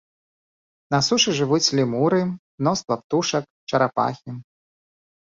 На сушы жывуць лемуры, мноства птушак, чарапахі.